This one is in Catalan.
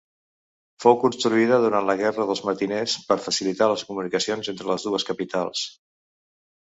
Fou construïda durant la Guerra dels Matiners per facilitar les comunicacions entre les dues capitals.